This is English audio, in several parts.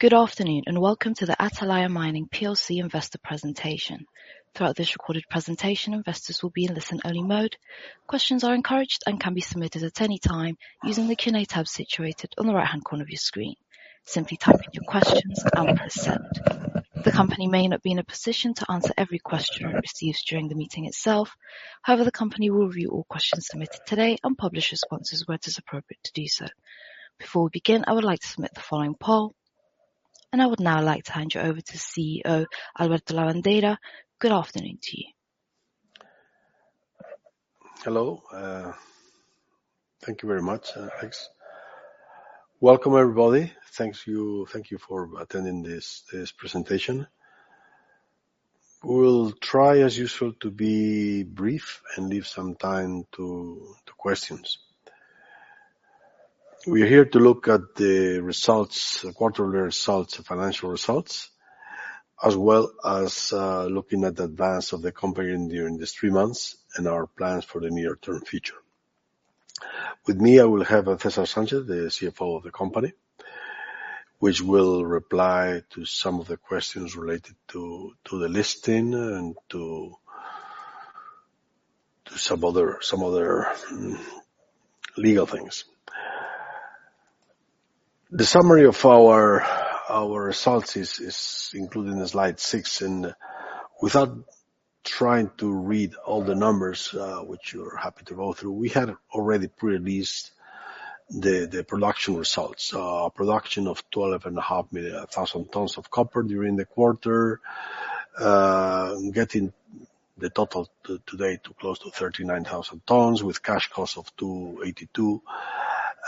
Good afternoon, and welcome to the Atalaya Mining plc investor presentation. Throughout this recorded presentation, investors will be in listen-only mode. Questions are encouraged and can be submitted at any time using the Q&A tab situated on the right-hand corner of your screen. Simply type in your questions and press send. The company may not be in a position to answer every question it receives during the meeting itself. However, the company will review all questions submitted today and publish responses where it is appropriate to do so. Before we begin, I would like to submit the following poll, and I would now like to hand you over to CEO, Alberto Lavandeira. Good afternoon to you. Hello, thank you very much, thanks. Welcome, everybody. Thank you. Thank you for attending this presentation. We will try, as usual, to be brief and leave some time to questions. We are here to look at the results, the quarterly results, the financial results, as well as looking at the advance of the company during these 3 months and our plans for the near-term future. With me, I will have César Sánchez, the CFO of the company, which will reply to some of the questions related to the listing and to some other legal things. The summary of our results is included in slide 6, and without trying to read all the numbers, which you are happy to go through, we had already pre-released the production results. Production of 12.5 thousand tons of copper during the quarter, getting the total to today to close to 39,000 tons, with cash costs of $2.82,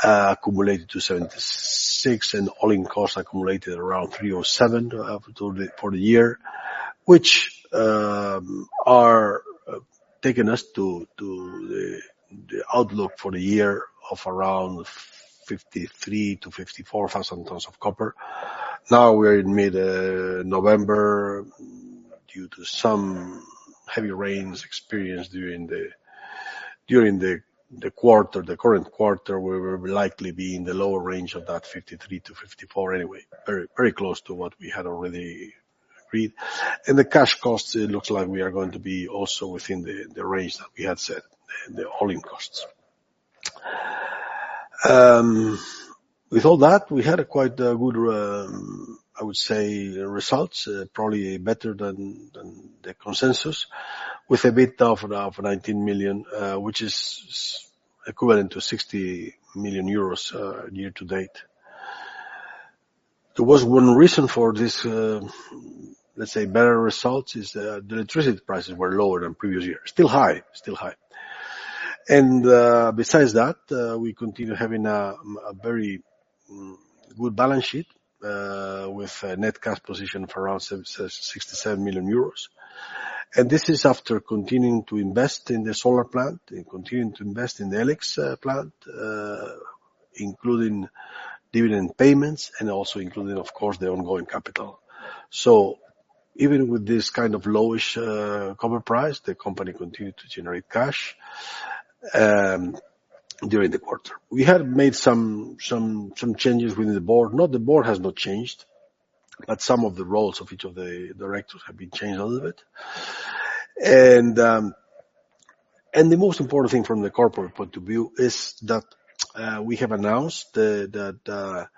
accumulated to $1.76, and all-in costs accumulated around $3.07 for the year, which are taking us to the outlook for the year of around 53,000-54,000 tons of copper. Now, we are in mid-November, due to some heavy rains experienced during the quarter, the current quarter, we will likely be in the lower range of that 53,000-54,000 anyway. Very, very close to what we had already agreed. And the cash costs, it looks like we are going to be also within the range that we had set, the all-in costs. With all that, we had a quite good, I would say, results, probably better than the consensus, with a bit of 19 million, which is equivalent to 60 million euros, year to date. There was one reason for this, let's say, better results is the electricity prices were lower than previous years. Still high, still high. And besides that, we continue having a very good balance sheet, with a net cash position of around 67 million euros. And this is after continuing to invest in the solar plant and continuing to invest in the E-LIX plant, including dividend payments and also including, of course, the ongoing capital. So even with this kind of lowish copper price, the company continued to generate cash during the quarter. We have made some changes within the board. Not the board has not changed, but some of the roles of each of the directors have been changed a little bit. And the most important thing from the corporate point of view is that we have announced that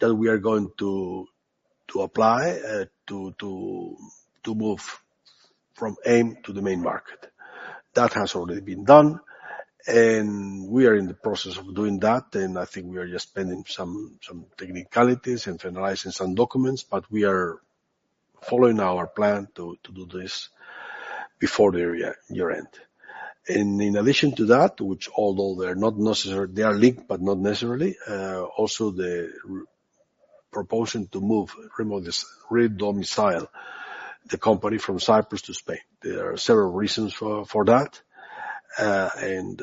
we are going to apply to move from AIM to the Main Market. That has already been done, and we are in the process of doing that, and I think we are just pending some technicalities and finalizing some documents, but we are following our plan to do this before the year-end. And in addition to that, which although they're not necessary, they are linked, but not necessarily, also the redomiciliation to move, redomicile the company from Cyprus to Spain. There are several reasons for that, and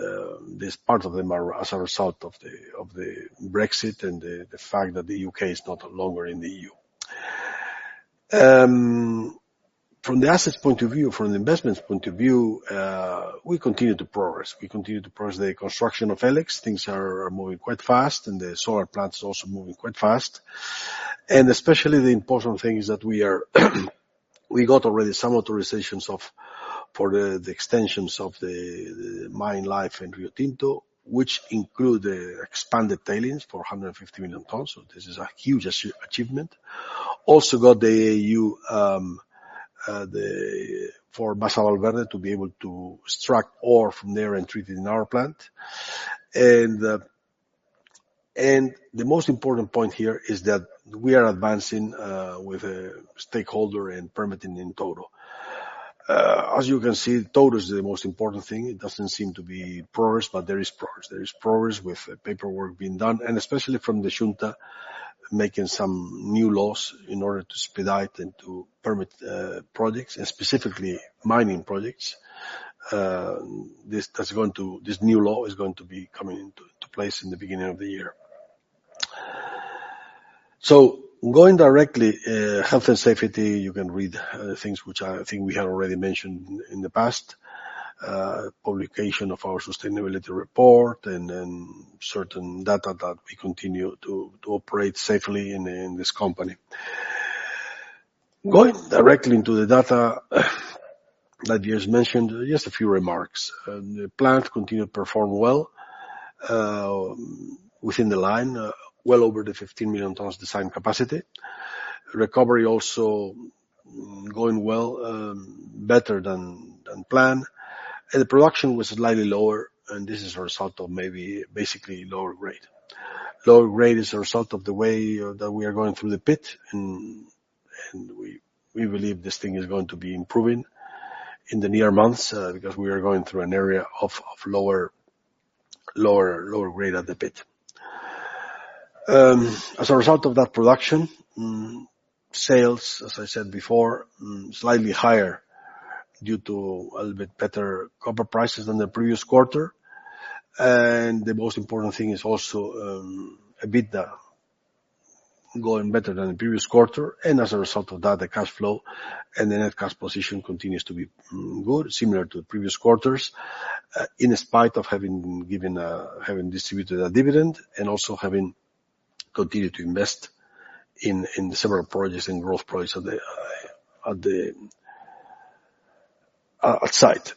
this part of them are as a result of the Brexit and the fact that the U.K. is no longer in the E.U. From the assets point of view, from an investment point of view, we continue to progress. We continue to progress the construction of E-LIX. Things are moving quite fast, and the solar plant is also moving quite fast. And especially the important thing is that we got already some authorizations for the extensions of the mine life in Riotinto, which include the expanded tailings for 150 million tons. So this is a huge achievement. Also got the AU for Masa Valverde to be able to extract ore from there and treat it in our plant. The most important point here is that we are advancing with a stakeholder and permitting in Touro. As you can see, Touro is the most important thing. It doesn't seem to be progress, but there is progress. There is progress with the paperwork being done, and especially from the Xunta, making some new laws in order to speed it and to permit projects and specifically mining projects. This new law is going to be coming into place in the beginning of the year. So going directly, health and safety, you can read the things which I think we had already mentioned in the past. Publication of our sustainability report, and then certain data that we continue to operate safely in this company. Going directly into the data, that you just mentioned, just a few remarks. The plant continued to perform well, within the line, well over the 15 million tons design capacity. Recovery also, going well, better than planned. And the production was slightly lower, and this is a result of maybe basically lower grade. Lower grade is a result of the way, that we are going through the pit, and we believe this thing is going to be improving in the near months, because we are going through an area of lower grade at the pit. As a result of that production, sales, as I said before, slightly higher due to a little bit better copper prices than the previous quarter. The most important thing is also EBITDA going better than the previous quarter, and as a result of that, the cash flow and the net cash position continues to be good, similar to the previous quarters. In spite of having distributed a dividend, and also having continued to invest in several projects, in growth projects at the site.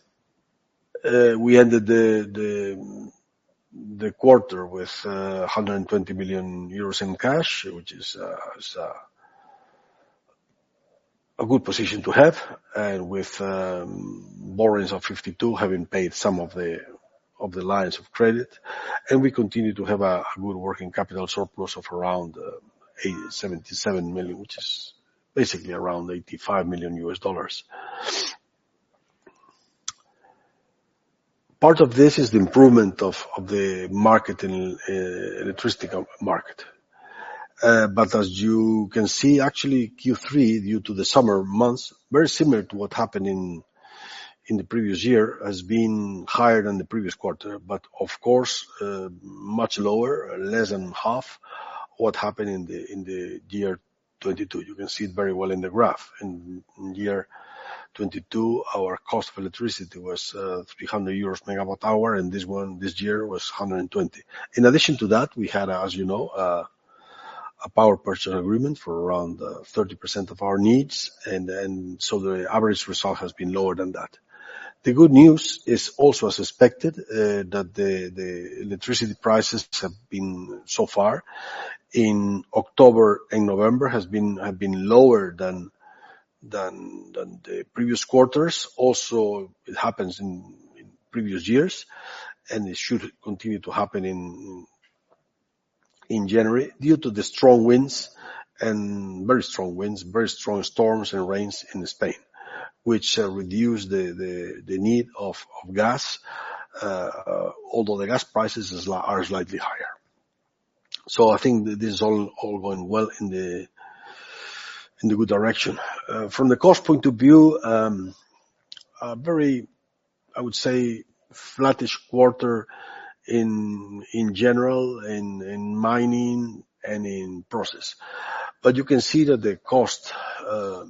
We ended the quarter with 120 million euros in cash, which is a good position to have, and with borrowings of 52 million, having paid some of the lines of credit. And we continue to have a good working capital surplus of around 77 million EUR, which is basically around $85 million. Part of this is the improvement of the market in the electricity market. But as you can see, actually, Q3, due to the summer months, very similar to what happened in the previous year, has been higher than the previous quarter, but of course, much lower, less than half what happened in the year 2022. You can see it very well in the graph. In year 2022, our cost of electricity was 300 euros/MWh, and this one, this year, was 120/MWh. In addition to that, as you know, a power purchase agreement for around 30% of our needs, and so the average result has been lower than that. The good news is also as expected that the electricity prices have been so far in October and November lower than the previous quarters. Also, it happens in previous years, and it should continue to happen in January, due to the strong winds and very strong winds, very strong storms and rains in Spain, which reduce the need of gas although the gas prices are slightly higher. So I think this is all going well in the good direction. From the cost point of view, a very, I would say, flattish quarter in general in mining and in process. But you can see that the cost of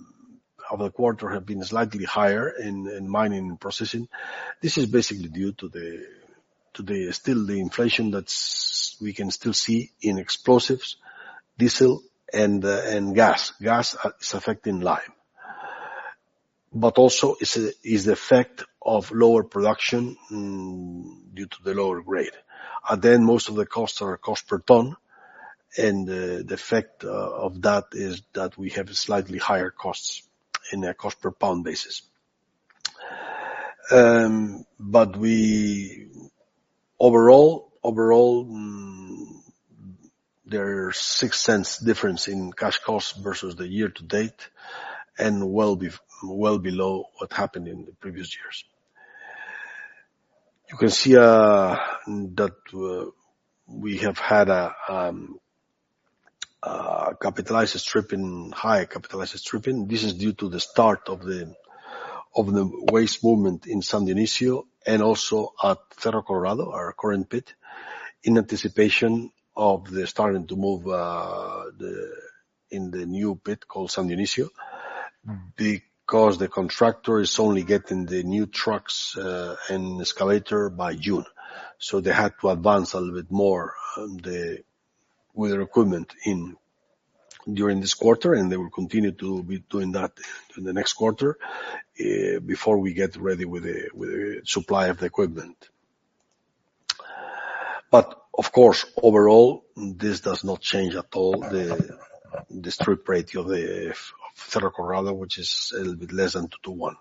the quarter have been slightly higher in mining and processing. This is basically due to the still the inflation that's, we can still see in explosives, diesel, and gas. Gas is affecting lime. But also is the effect of lower production due to the lower grade. And then most of the costs are cost per ton, and the effect of that is that we have slightly higher costs in a cost per pound basis. But we... Overall, overall, there are $0.06 difference in Cash Costs versus the year to date, and well below what happened in the previous years. You can see that we have had a capitalized stripping, high capitalized stripping. This is due to the start of the waste movement in San Dionisio and also at Cerro Colorado, our current pit, in anticipation of starting to move in the new pit called San Dionisio, because the contractor is only getting the new trucks and escalator by June. So they had to advance a little bit more with their equipment during this quarter, and they will continue to be doing that in the next quarter before we get ready with the supply of the equipment. But of course, overall, this does not change at all the strip ratio of Cerro Colorado, which is a little bit less than 2-to-1.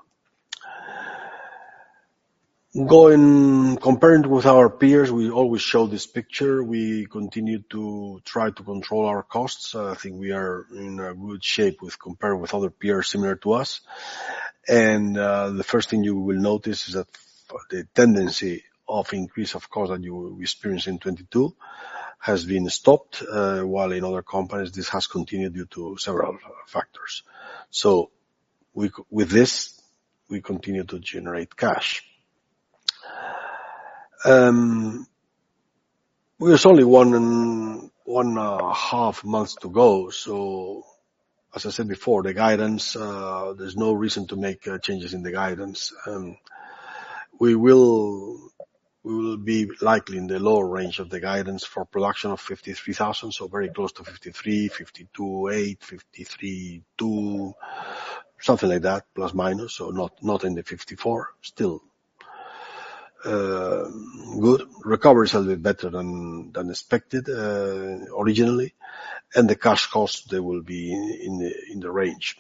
Going... Comparing with our peers, we always show this picture. We continue to try to control our costs. I think we are in a good shape with comparing with other peers similar to us. And the first thing you will notice is that the tendency of increase, of course, that you experienced in 2022, has been stopped, while in other companies, this has continued due to several factors. So with this, we continue to generate cash. Well, there's only one and a half months to go. So as I said before, the guidance, there's no reason to make changes in the guidance. We will, we will be likely in the lower range of the guidance for production of 53,000, so very close to 53, 52,800, 53,200, something like that, plus minus, so not, not in the 54. Still good. Recovery is a little bit better than expected originally, and the cash costs, they will be in the range.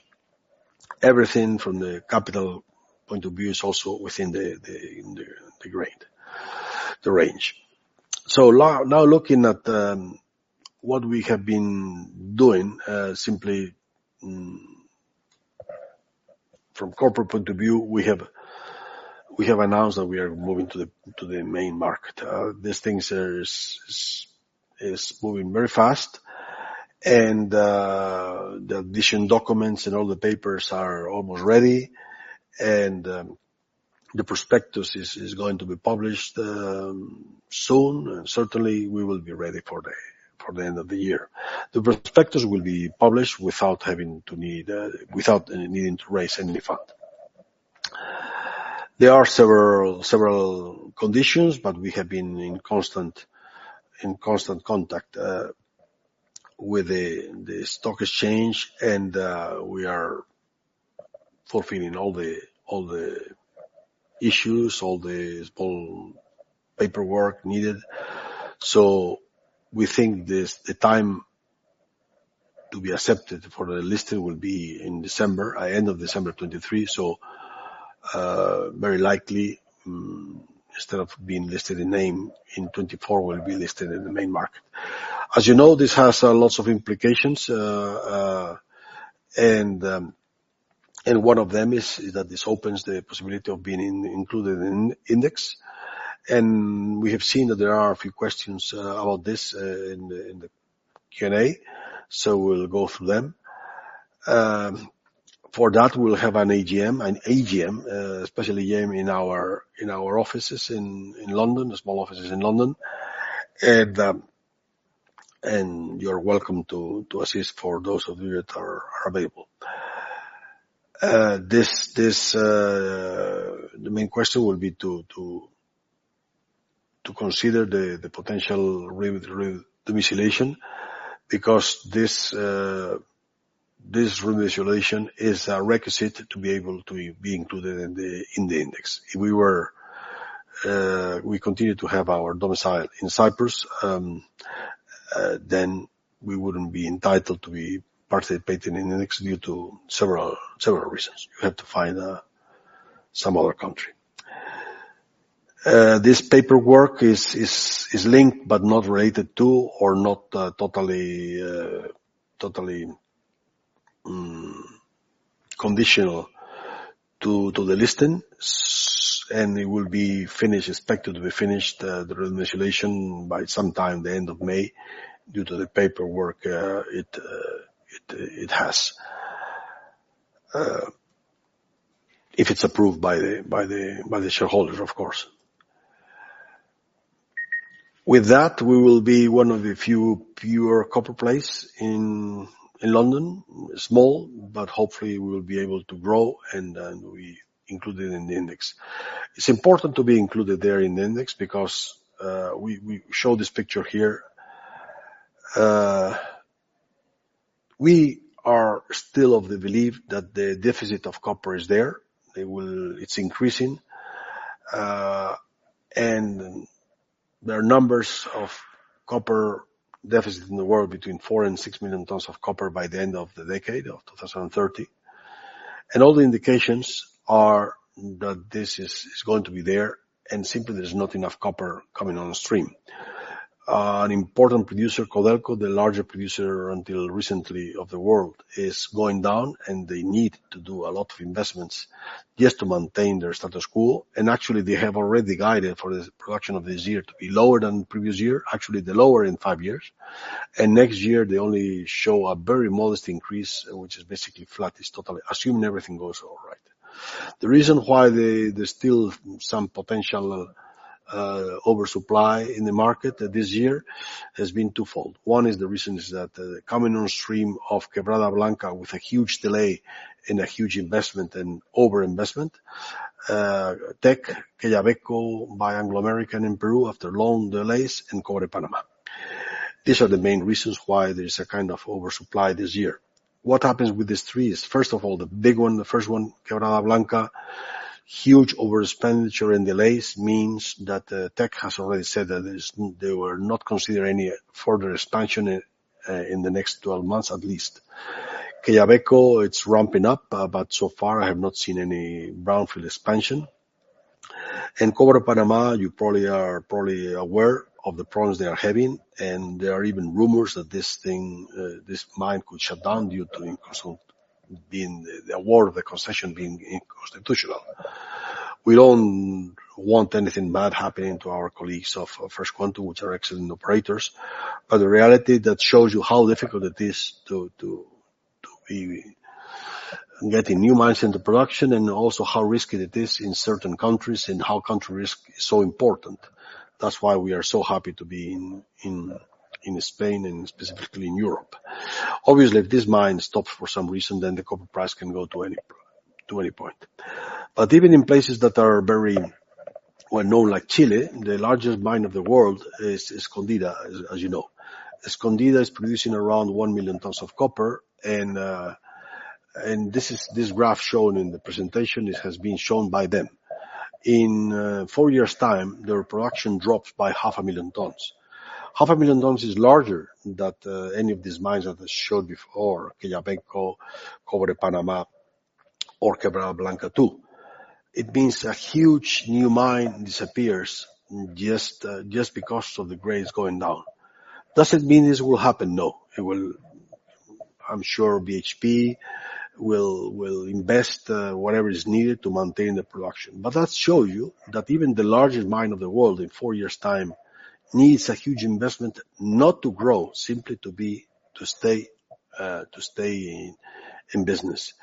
Everything from the capital point of view is also within the range. So now looking at what we have been doing simply from corporate point of view, we have announced that we are moving to the Main Market. These things is moving very fast, and the admission documents and all the papers are almost ready, and the prospectus is going to be published soon, and certainly, we will be ready for the end of the year. The prospectus will be published without needing to raise any fund. There are several conditions, but we have been in constant contact with the stock exchange, and we are fulfilling all the issues, all the paperwork needed. So we think the time to be accepted for the listing will be in December, end of December 2023. So, very likely, instead of being listed in AIM, in 2024, we'll be listed in the Main Market. As you know, this has lots of implications, and one of them is that this opens the possibility of being included in index. And we have seen that there are a few questions about this in the Q&A, so we'll go through them. For that, we'll have an AGM, special AGM in our offices in London, the small offices in London. And you're welcome to assist for those of you that are available. This, the main question will be to consider the potential redomiciliation, because this domiciliation is a requisite to be able to be included in the index. If we continue to have our domicile in Cyprus, then we wouldn't be entitled to be participating in the index due to several reasons. You have to find some other country. This paperwork is linked, but not related to or not totally conditional to the listing, and it will be finished, expected to be finished, the redomiciliation, by sometime the end of May, due to the paperwork, it has. If it's approved by the shareholders, of course. With that, we will be one of the fewer copper plays in London. Small, but hopefully we will be able to grow, and then we included in the index. It's important to be included there in the index because, we show this picture here. We are still of the belief that the deficit of copper is there. It's increasing, and there are numbers of copper deficit in the world between 4 and 6 million tons of copper by the end of the decade of 2030. And all the indications are that this is going to be there, and simply, there's not enough copper coming on stream. An important producer, Codelco, the larger producer until recently of the world, is going down, and they need to do a lot of investments just to maintain their status quo. And actually, they have already guided for the production of this year to be lower than the previous year, actually, the lower in five years. And next year, they only show a very modest increase, which is basically flat, is totally... Assuming everything goes all right. The reason why there, there's still some potential oversupply in the market this year, has been twofold. One is the reason is that the coming on stream of Quebrada Blanca with a huge delay and a huge investment and overinvestment. Teck, Quellaveco by Anglo American in Peru, after long delays in Cobre Panamá. These are the main reasons why there's a kind of oversupply this year. What happens with these three is, first of all, the big one, the first one, Quebrada Blanca, huge overspending and delays means that, Teck has already said that is, they will not consider any further expansion, in the next 12 months, at least. Quellaveco, it's ramping up, but so far, I have not seen any brownfield expansion. Cobre Panamá, you probably are aware of the problems they are having, and there are even rumors that this thing, this mine could shut down due to the award of the concession being unconstitutional. We don't want anything bad happening to our colleagues of First Quantum, which are excellent operators, but the reality that shows you how difficult it is to be getting new mines into production, and also how risky it is in certain countries, and how country risk is so important. That's why we are so happy to be in Spain and specifically in Europe. Obviously, if this mine stops for some reason, then the copper price can go to any point. But even in places that are very well-known like Chile, the largest mine of the world is Escondida, as you know. Escondida is producing around 1 million tons of copper, and this is—this graph shown in the presentation, it has been shown by them. In four years' time, their production drops by half a million tons. Half a million tons is larger than any of these mines that I showed before, Quellaveco, Cobre Panamá, or Quebrada Blanca 2. It means a huge new mine disappears just because of the grades going down. Does it mean this will happen? No. It will. I'm sure BHP will invest whatever is needed to maintain the production. But that shows you that even the largest mine of the world, in four years' time, needs a huge investment not to grow, simply to be—to stay in business,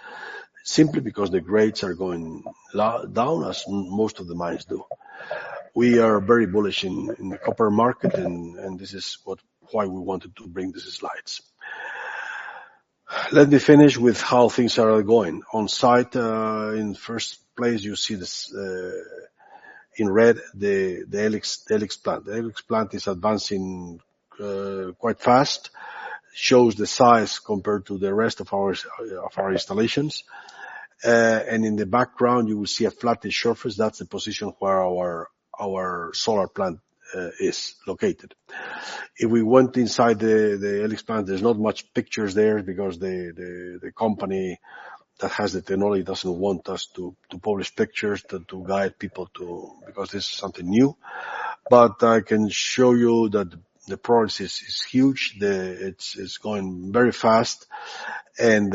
simply because the grades are going down, as most of the mines do. We are very bullish in the copper market, and this is why we wanted to bring these slides. Let me finish with how things are going. On site, in the first place, you see this, in red, the E-LIX plant. The E-LIX plant is advancing quite fast, shows the size compared to the rest of our installations. And in the background, you will see a flattened surface. That's the position where our solar plant is located. If we went inside the E-LIX plant, there's not much pictures there because the company that has the technology doesn't want us to publish pictures to guide people to... because this is something new. But I can show you that the progress is huge. It's going very fast and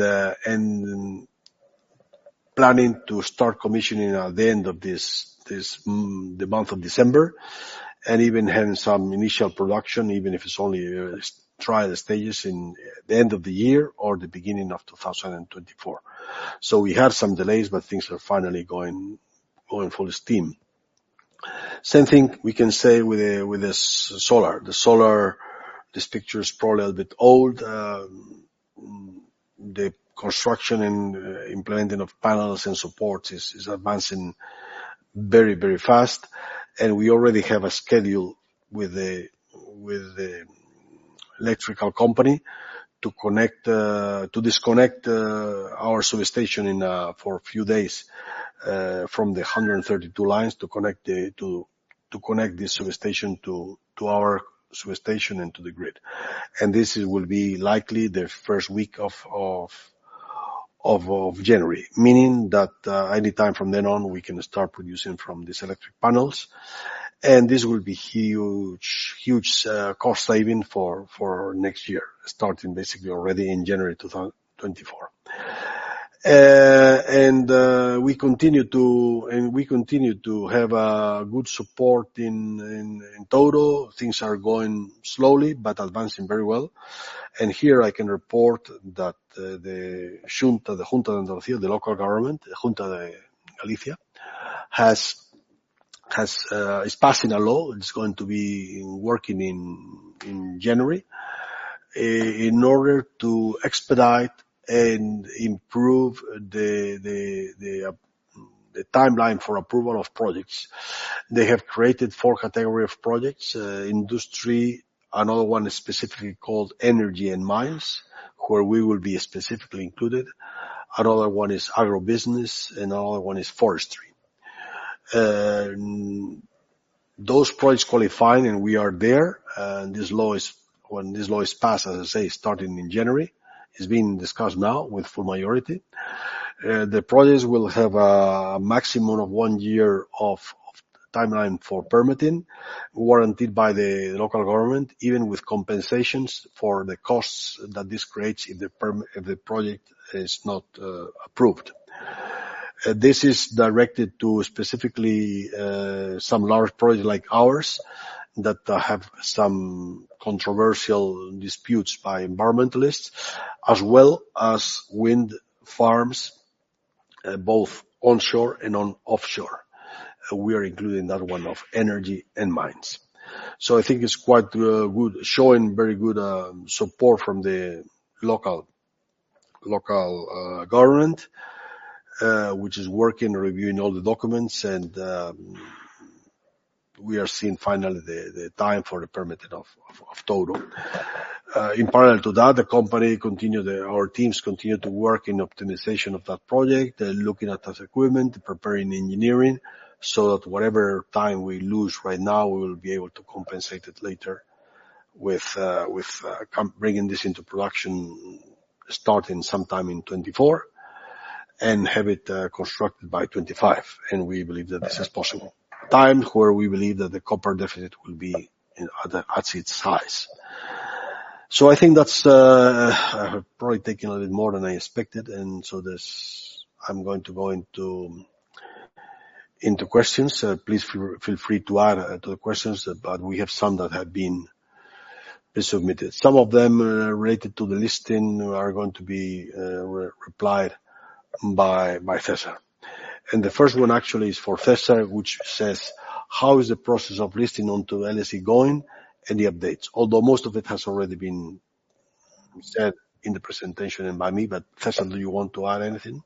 planning to start commissioning at the end of the month of December, and even having some initial production, even if it's only trial stages in the end of the year or the beginning of 2024. So we had some delays, but things are finally going full steam. Same thing we can say with the solar. The solar, this picture is probably a little bit old. The construction and implementing of panels and supports is advancing very fast, and we already have a schedule with the electrical company to disconnect our substation for a few days from the 132 lines, to connect this substation to our substation into the grid. This will be likely the first week of January, meaning that anytime from then on, we can start producing from these electric panels, and this will be huge, huge cost-saving for next year, starting basically already in January 2024. We continue to have good support in Touro. Things are going slowly, but advancing very well. And here I can report that the Xunta de Galicia, the local government, Xunta de Galicia, is passing a law; it's going to be working in January. In order to expedite and improve the timeline for approval of projects, they have created four categories of projects: industry, another one is specifically called energy and mines, where we will be specifically included. Another one is agribusiness, and another one is forestry. Those projects qualifying, and we are there, and this law is, when this law is passed, as I say, starting in January, it's being discussed now with full majority. The projects will have a maximum of one year of timeline for permitting, warranted by the local government, even with compensations for the costs that this creates if the project is not approved. This is directed to specifically some large projects like ours, that have some controversial disputes by environmentalists, as well as wind farms, both onshore and offshore. We are including that one of energy and mines. So I think it's quite good, showing very good support from the local government, which is working, reviewing all the documents, and we are seeing finally the time for the permitting of Touro. In parallel to that, our teams continue to work in optimization of that project. They're looking at new equipment, preparing engineering, so that whatever time we lose right now, we will be able to compensate it later with bringing this into production, starting sometime in 2024, and have it constructed by 2025. And we believe that this is possible. Time where we believe that the copper deficit will be in at its highest. So I think that's... I've probably taken a little more than I expected, and so this, I'm going to go into... into questions. Please feel free to add to the questions, but we have some that have been submitted. Some of them related to the listing are going to be replied by César. The first one actually is for César, which says: How is the process of listing onto the LSE going and the updates? Although most of it has already been said in the presentation and by me, but César, do you want to add anything?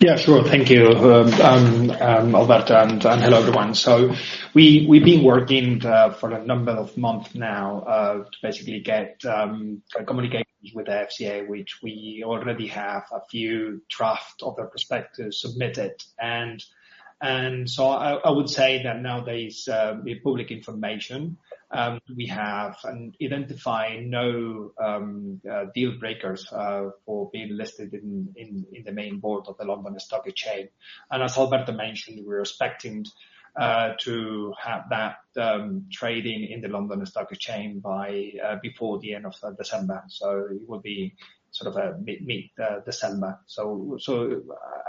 Yeah, sure. Thank you, Alberto, and hello, everyone. So we've been working for a number of months now to basically get a communication with the FCA, which we already have a few drafts of the prospectus submitted. So I would say that nowadays, with public information, we have and identify no deal breakers for being listed in the Main Market of the London Stock Exchange. And as Alberto mentioned, we're expecting to have that trading in the London Stock Exchange by before the end of December. So it will be sort of mid-December. So,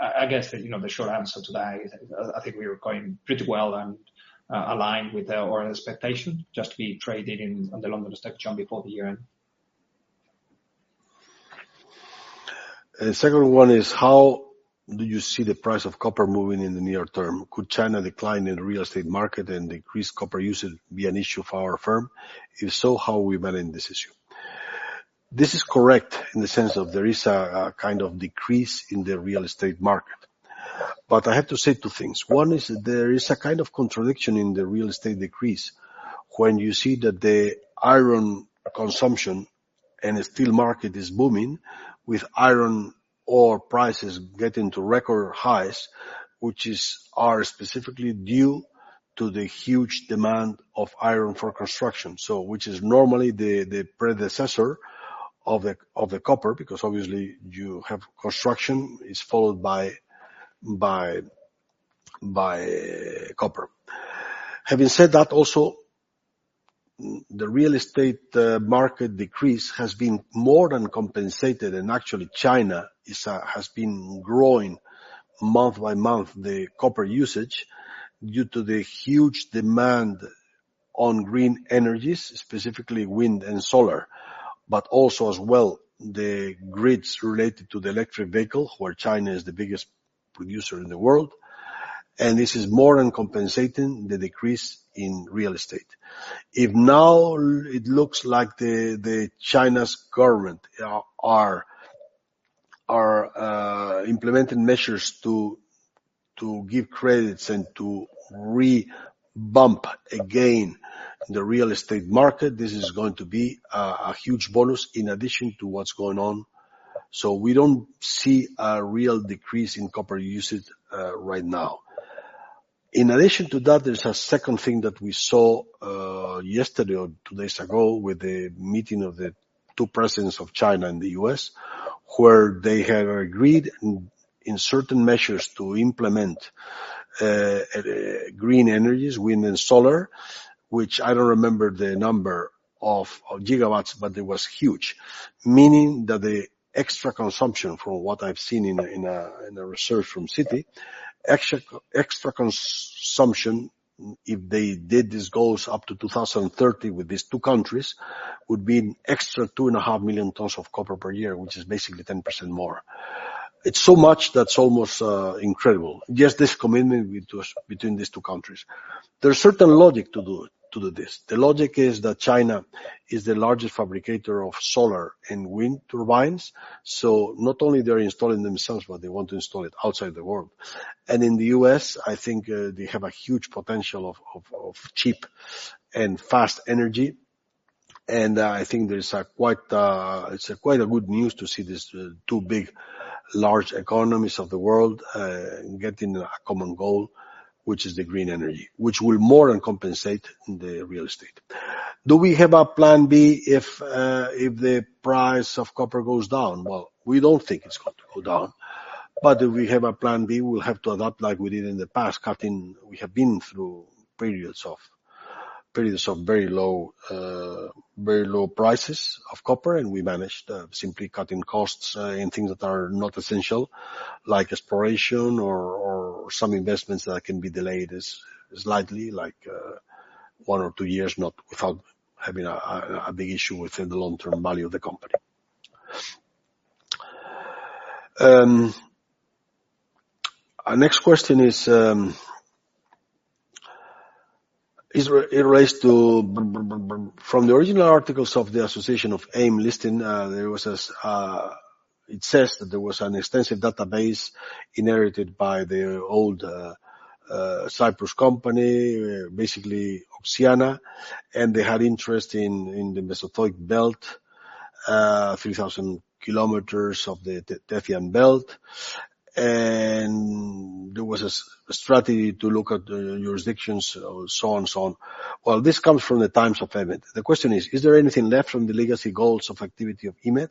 I guess, you know, the short answer to that is, I think we are going pretty well and aligned with our expectation, just to be traded on the London Stock Exchange before the year-end. And the second one is: How do you see the price of copper moving in the near term? Could China decline in real estate market and increase copper usage be an issue for our firm? If so, how we manage this issue? This is correct in the sense of there is a kind of decrease in the real estate market. But I have to say two things. One is that there is a kind of contradiction in the real estate decrease when you see that the iron consumption and the steel market is booming with iron ore prices getting to record highs, which are specifically due to the huge demand of iron for construction, so which is normally the predecessor of the copper, because obviously, you have construction is followed by copper. Having said that also, the real estate market decrease has been more than compensated, and actually, China has been growing month by month, the copper usage, due to the huge demand on green energies, specifically wind and solar, but also as well, the grids related to the electric vehicle, where China is the biggest producer in the world, and this is more than compensating the decrease in real estate. If now it looks like the China's government are implementing measures to give credits and to re-bump again, the real estate market, this is going to be a huge bonus in addition to what's going on. So we don't see a real decrease in copper usage right now. In addition to that, there's a second thing that we saw yesterday or two days ago with the meeting of the two presidents of China and the U.S., where they have agreed in certain measures to implement green energies, wind and solar, which I don't remember the number of gigawatts, but it was huge. Meaning that the extra consumption from what I've seen in a research from Citi, extra consumption, if they did these goals up to 2030 with these two countries, would be an extra 2.5 million tons of copper per year, which is basically 10% more. It's so much that's almost incredible. Just this commitment between these two countries. There's certain logic to do this. The logic is that China is the largest fabricator of solar and wind turbines, so not only they're installing themselves, but they want to install it outside the world. In the US, I think, they have a huge potential of cheap and fast energy. I think there's quite a good news to see these two big, large economies of the world getting a common goal, which is the green energy, which will more than compensate the real estate. Do we have a plan B if the price of copper goes down? Well, we don't think it's going to go down, but if we have a plan B, we'll have to adapt like we did in the past, cutting... We have been through periods of, periods of very low, very low prices of copper, and we managed, simply cutting costs, and things that are not essential, like exploration or, or some investments that can be delayed as- slightly, like, 1 or 2 years, not without having a, a, a big issue with the long-term value of the company. Our next question is, is it raised to be from the original articles of the Association of AIM Listing, there was this... It says that there was an extensive database inherited by the old, Cyprus company, basically, Oceana, and they had interest in, in the Tethyan Belt, 3,000 kilometers of the Tethyan Belt. And there was a s- a strategy to look at, jurisdictions, so on and so on. Well, this comes from the times of EMED. The question is: Is there anything left from the legacy goals of activity of EMED?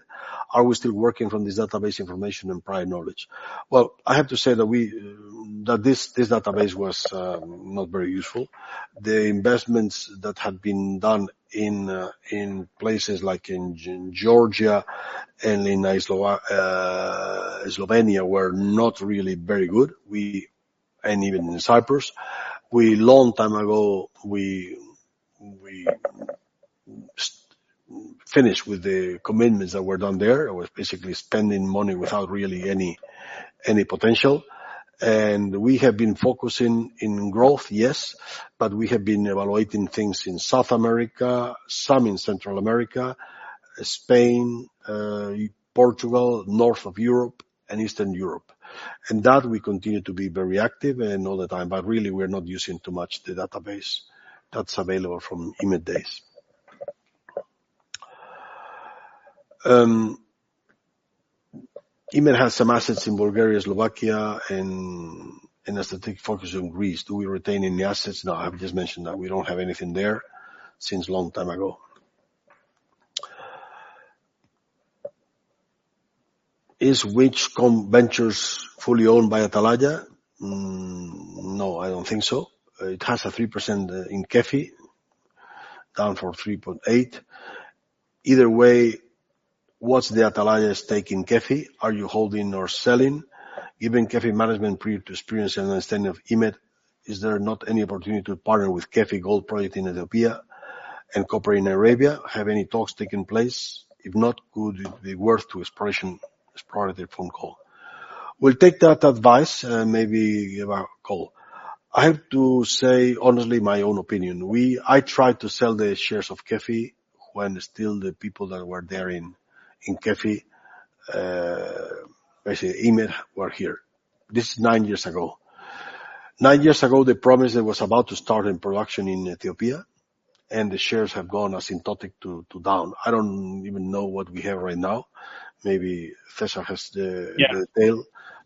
Are we still working from this database information and prior knowledge? Well, I have to say that we, that this, this database was not very useful. The investments that had been done in places like in Georgia and in Slovenia were not really very good. And even in Cyprus, long time ago, we finished with the commitments that were done there. It was basically spending money without really any potential. And we have been focusing in growth, yes, but we have been evaluating things in South America, some in Central America, Spain, Portugal, North of Europe, and Eastern Europe. That we continue to be very active all the time, but really, we're not using too much the database that's available from EMED days. EMED has some assets in Bulgaria, Slovakia, and a strategic focus on Greece. Do we retain any assets? No, I've just mentioned that we don't have anything there since a long time ago. Is KEFI fully owned by Atalaya? No, I don't think so. It has a 3% in KEFI, down from 3.8. Either way, what's the Atalaya stake in KEFI? Are you holding or selling? Given KEFI management previous experience and understanding of EMED, is there not any opportunity to partner with KEFI Gold Project in Ethiopia and Copper in Arabia? Have any talks taken place? If not, could it be worth exploring their potential. We'll take that advice and maybe give a call. I have to say, honestly, my own opinion, we—I tried to sell the shares of KEFI when still the people that were there in, in KEFI, I say, EMED, were here. This is 9 years ago. 9 years ago, the promise that was about to start in production in Ethiopia, and the shares have gone asymptotic to, to down. I don't even know what we have right now. Maybe César has the- Yeah. the detail,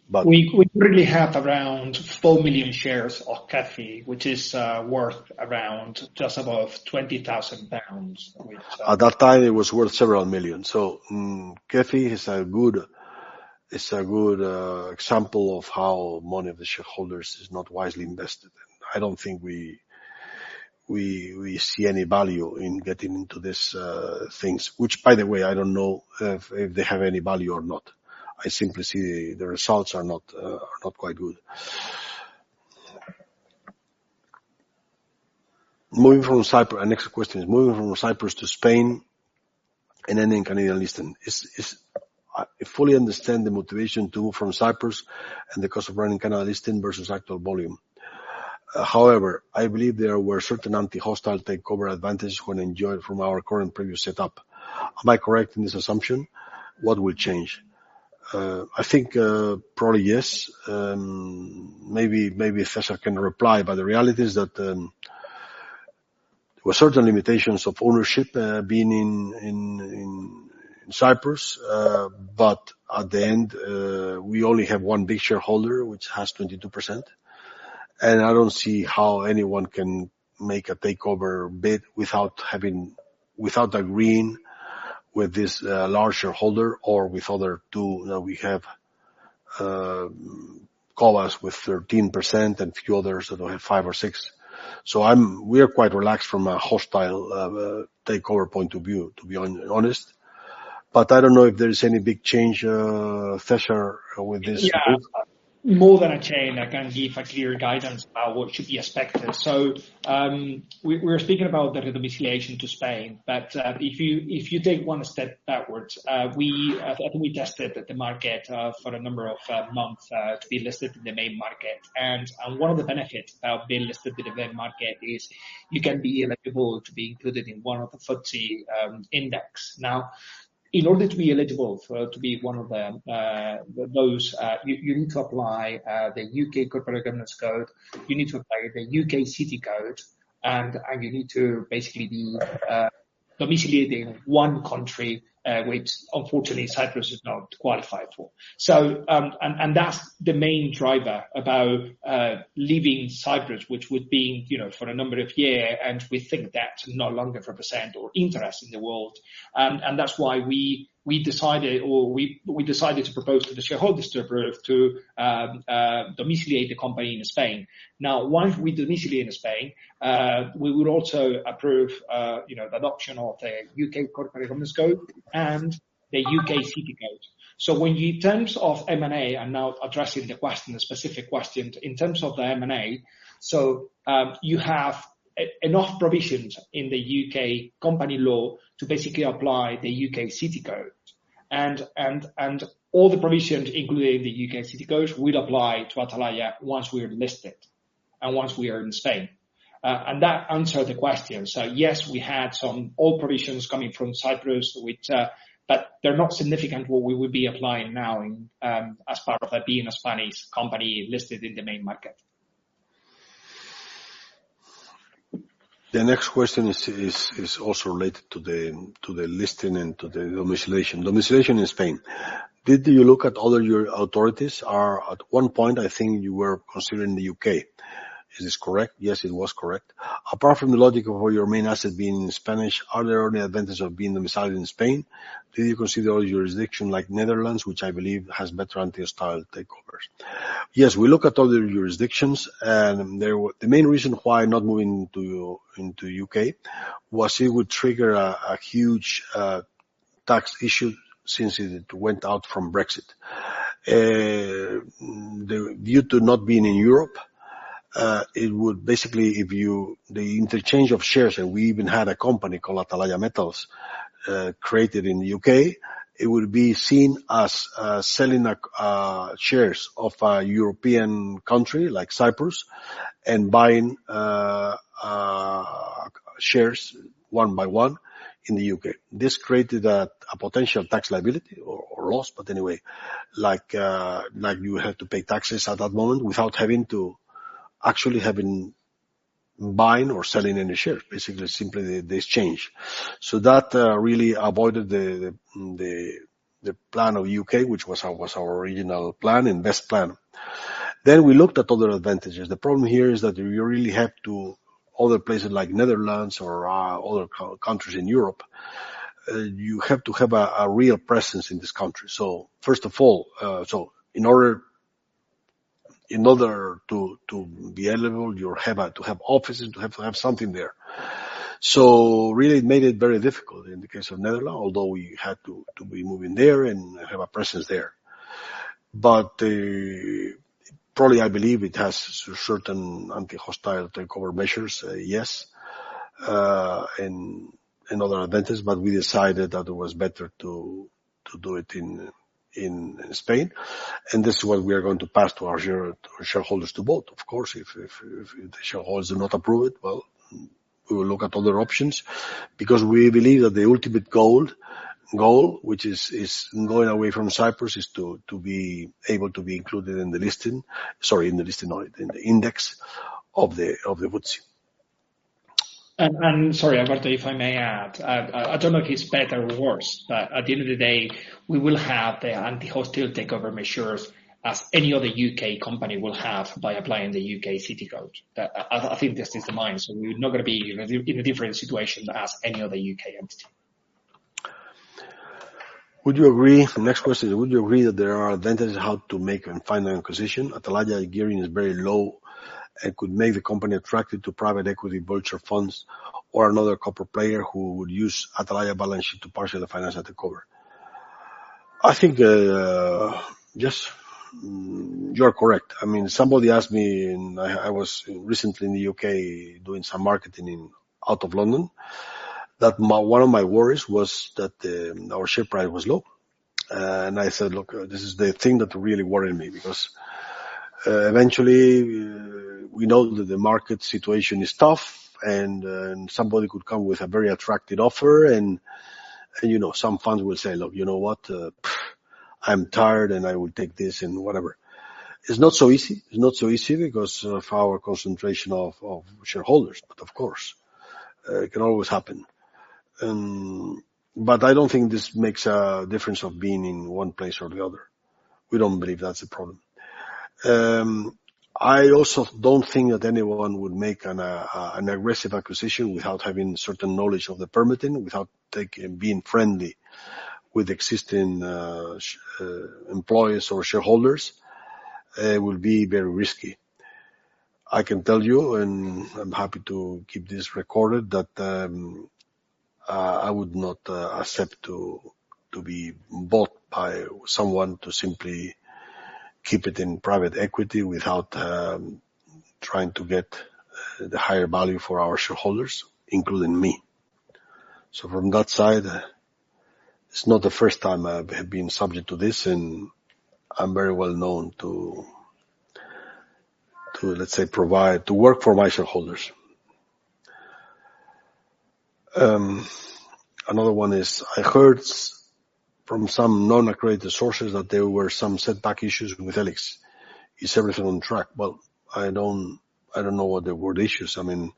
but- We really have around 4 million shares of KEFI, which is worth around just above 20,000 pounds, which, At that time, it was worth $several million. So, KEFI is a good example of how money of the shareholders is not wisely invested. I don't think we see any value in getting into this things, which, by the way, I don't know if they have any value or not. I simply see the results are not quite good. Moving from Cyprus... Our next question is, moving from Cyprus to Spain and any Canadian listing. Is I fully understand the motivation to from Cyprus and the cost of running Canadian listing versus actual volume. However, I believe there were certain anti-hostile takeover advantages when enjoyed from our current previous setup. Am I correct in this assumption? What would change? I think, probably yes. Maybe, maybe César can reply, but the reality is that, there were certain limitations of ownership, being in Cyprus. But at the end, we only have one big shareholder, which has 22%, and I don't see how anyone can make a takeover bid without agreeing with this large shareholder or with other two that we have, each with 13% and few others that have five or six. So we are quite relaxed from a hostile takeover point of view, to be honest, but I don't know if there is any big change, César, with this. Yeah. More than a change, I can give a clear guidance about what should be expected. So, we're speaking about the redomiciliation to Spain, but if you take one step backwards, we tested the market for a number of months to be listed in the Main Market. And one of the benefits of being listed in the Main Market is you can be eligible to be included in one of the FTSE index. Now, in order to be eligible to be one of those, you need to apply the UK Corporate Governance Code, you need to apply the UK City Code, and you need to basically be domiciled in one country, which unfortunately, Cyprus is not qualified for. So, that's the main driver about leaving Cyprus, which would be, you know, for a number of year, and we think that no longer represent our interest in the world. And that's why we decided to propose to the shareholders to approve to domiciliate the company in Spain. Now, once we domiciliate in Spain, we would also approve, you know, the adoption of the UK Corporate Governance Code and the UK City Code. So in terms of M&A, I'm now addressing the question, the specific questions, in terms of the M&A, so you have enough provisions in the UK company law to basically apply the UK City Code, and all the provisions, including the UK City Code, will apply to Atalaya once we are listed and once we are in Spain. And that answer the question. So yes, we had some old provisions coming from Cyprus, which. But they're not significant what we would be applying now in, as part of being a Spanish company listed in the Main Market. The next question is also related to the listing and to the domiciliation. Domiciliation in Spain, did you look at other jurisdictions? Or at one point, I think you were considering the U.K. Is this correct? Yes, it was correct. Apart from the logic of all your main asset being in Spain, are there any advantages of being domiciled in Spain? Did you consider all jurisdictions like Netherlands, which I believe has better anti-hostile takeovers? Yes, we look at other jurisdictions, and the main reason why not moving to, into U.K., was it would trigger a huge tax issue since it went out from Brexit. Due to not being in Europe, it would basically, if you, the interchange of shares, and we even had a company called Atalaya Metals created in U.K., it would be seen as selling shares of a European country like Cyprus, and buying shares one by one in the U.K. This created a potential tax liability or loss, but anyway, like you have to pay taxes at that moment without having to actually have been buying or selling any shares, basically, simply this change. So that really avoided the plan of U.K., which was our original plan and best plan. Then we looked at other advantages. The problem here is that you really have to, other places like Netherlands or other countries in Europe, you have to have a real presence in this country. So first of all, so in order to be eligible, you have to have offices, have something there. So really, it made it very difficult in the case of Netherlands, although we had to be moving there and have a presence there. But probably, I believe it has certain anti-hostile takeover measures, yes, and other advantages, but we decided that it was better to do it in Spain, and this is what we are going to pass to our shareholders to vote. Of course, if the shareholders do not approve it, well, we will look at other options, because we believe that the ultimate goal, which is going away from Cyprus, is to be able to be included in the listing, sorry, not in the listing, in the index of the FTSE. Sorry, Alberto, if I may add, I don't know if it's better or worse, but at the end of the day, we will have the anti-hostile takeover measures as any other UK company will have by applying the UK City Code. I think this is the main, so we're not gonna be in a different situation as any other UK entity. Would you agree... The next question is: Would you agree that there are advantages how to make and final acquisition? Atalaya gearing is very low and could make the company attracted to private equity, vulture funds, or another corporate player who would use Atalaya balance sheet to partially finance at the cover. I think, yes, you're correct. I mean, somebody asked me and I was recently in the UK doing some marketing in out of London, that my one of my worries was that, our share price was low. And I said, "Look, this is the thing that really worried me, because, eventually, we know that the market situation is tough, and, somebody could come with a very attractive offer, and, you know, some funds will say, 'Look, you know what? I'm tired, and I will take this, and whatever." It's not so easy. It's not so easy because of our concentration of shareholders, but of course, it can always happen. But I don't think this makes a difference of being in one place or the other. We don't believe that's a problem. I also don't think that anyone would make an aggressive acquisition without having certain knowledge of the permitting, without being friendly with existing employees or shareholders. It would be very risky. I can tell you, and I'm happy to keep this recorded, that I would not accept to be bought by someone to simply keep it in private equity without trying to get the higher value for our shareholders, including me. So from that side, it's not the first time I've been subject to this, and I'm very well known to, let's say, provide to work for my shareholders. Another one is, I heard from some non-accredited sources that there were some setback issues with E-LIX. Is everything on track? Well, I don't know what the word issues. I mean,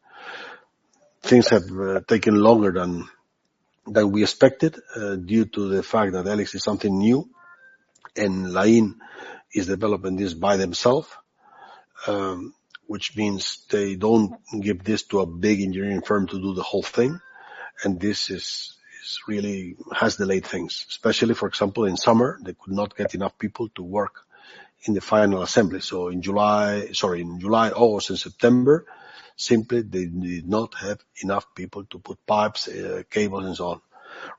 things have taken longer than we expected due to the fact that E-LIX is something new, and Lain is developing this by themself, which means they don't give this to a big engineering firm to do the whole thing, and this really has delayed things. Especially, for example, in summer, they could not get enough people to work in the final assembly. So in July, sorry, in July, or since September, simply, they did not have enough people to put pipes, cables, and so on.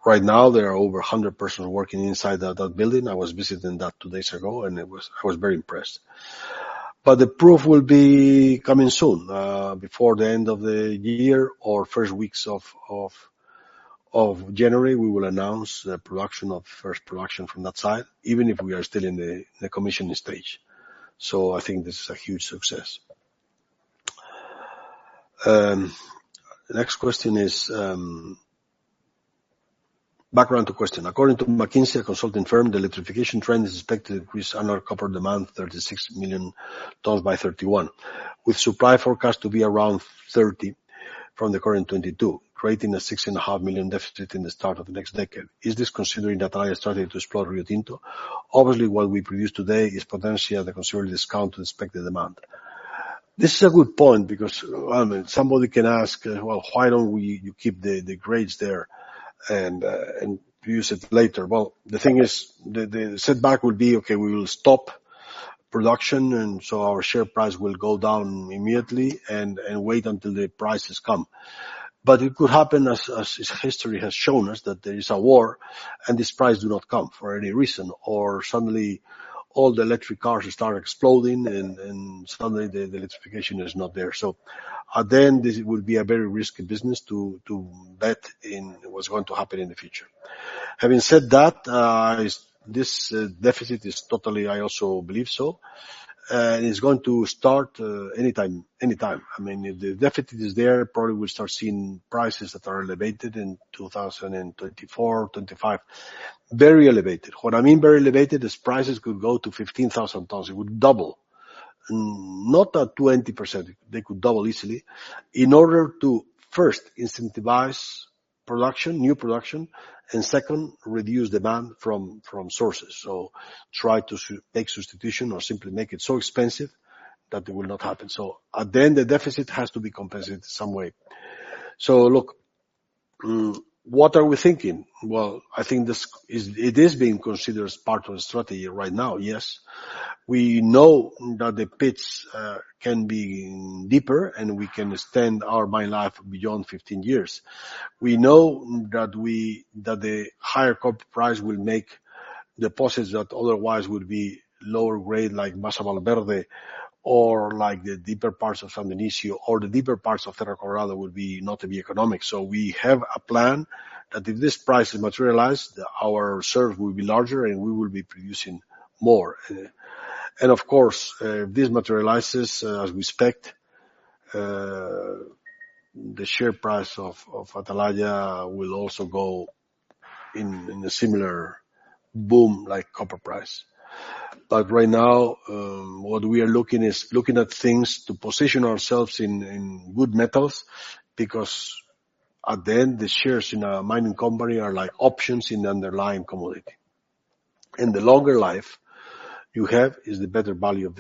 Right now, there are over 100% working inside that building. I was visiting that two days ago, and it was. I was very impressed. But the proof will be coming soon, before the end of the year or first weeks of January, we will announce the first production from that site, even if we are still in the commissioning stage. So I think this is a huge success. Next question is, background to question: According to McKinsey, a consulting firm, the electrification trend is expected to increase annual copper demand, 36 million tons by 2031, with supply forecast to be around 30 from the current 22, creating a 6.5 million deficit in the start of the next decade. Is this considering that I started to explore Rio Tinto? Obviously, what we produce today is potentially at a considerable discount to expected demand. This is a good point, because, I mean, somebody can ask, well, why don't we, you keep the, the grades there and, and use it later? Well, the thing is, the, the setback would be, okay, we will stop production, and so our share price will go down immediately and, and wait until the prices come. But it could happen, as history has shown us, that there is a war, and this price do not come for any reason, or suddenly all the electric cars start exploding and suddenly the electrification is not there. So then this would be a very risky business to bet in what's going to happen in the future. Having said that, this deficit is totally I also believe so. And it's going to start anytime. I mean, if the deficit is there, probably we'll start seeing prices that are elevated in 2024, 2025. Very elevated. What I mean very elevated is prices could go to 15,000 tons. It would double. Mm, not at 20%, they could double easily. In order to first incentivise production, new production, and second, reduce demand from sources. So try to make substitution or simply make it so expensive that it will not happen. So at the end, the deficit has to be compensated in some way. So look, what are we thinking? Well, I think this is. It is being considered as part of the strategy right now, yes. We know that the pits can be deeper, and we can extend our mine life beyond 15 years. We know that the higher copper price will make deposits that otherwise would be lower grade, like Masa Valverde, or like the deeper parts of San Dionisio, or the deeper parts of Cerro Colorado, would not be economic. So we have a plan that if this price is materialized, our reserve will be larger, and we will be producing more. Of course, if this materializes, as we expect, the share price of Atalaya will also go in a similar boom, like copper price. But right now, what we are looking is, looking at things to position ourselves in good metals, because at the end, the shares in a mining company are like options in the underlying commodity. The longer life you have is the better value of